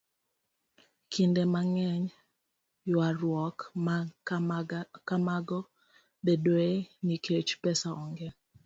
Kinde mang'eny, ywaruok ma kamago bedoe nikech pesa onge,